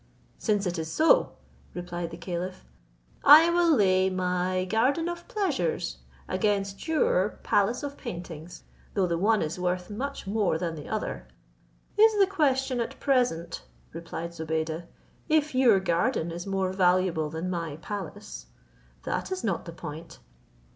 "Since it is so," said the caliph, "I will lay my garden of pleasures against your palace of paintings, though the one is worth much more than the other." "Is the question at present," replied Zobeide, "if your garden is more valuable than my palace? That is not the point.